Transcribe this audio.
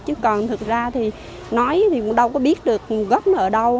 chứ còn thực ra thì nói thì đâu có biết được nguồn gốc là ở đâu